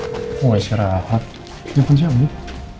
aku gak isi rahat telepon siapa nih